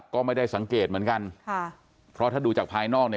ก็ไม่ได้สังเกตเหมือนกันค่ะเพราะถ้าดูจากภายนอกเนี่ย